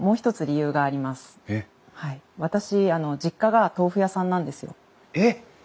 私実家が豆腐屋さんなんですよ。えっ！？